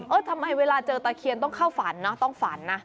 ทำไมเวลาเจอตะเคียนต้องเข้าฝันเนอะต้องฝันนะ